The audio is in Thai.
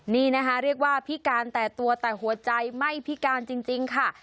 นี่นะคะเรียกว่าพิการแต่ตัวแต่หัวใจไม่พิการจริงค่ะ